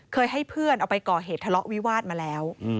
ให้เพื่อนเอาไปก่อเหตุทะเลาะวิวาสมาแล้ว